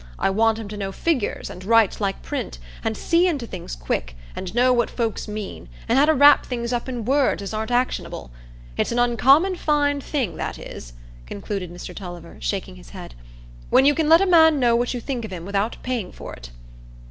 I want him to know figures, and write like print, and see into things quick, and know what folks mean, and how to wrap things up in words as aren't actionable. It's an uncommon fine thing, that is," concluded Mr Tulliver, shaking his head, "when you can let a man know what you think of him without paying for it."